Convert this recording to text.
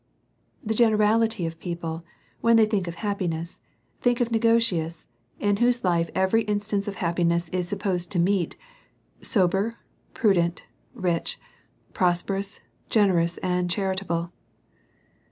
The generality of people, when they think of hap piness, think upon Negotius, in whose life every in stance of happiness is supposed to meet ; sober, pru dent, rich, prosperous, generous, and cliaritable.